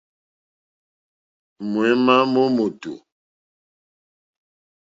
Ŋwěémá mó mòtò.